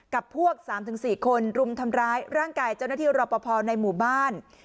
กับพวก๓๔คนรุมทำร้ายร่างกายเจ้าหน้าที่รอปภในหมู่บ้าน